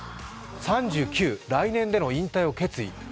３９歳、来年での引退を決意。